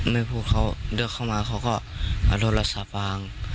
ไม่พูดเขาเลือกเข้ามาเขาก็เอาโทรศัพท์วาง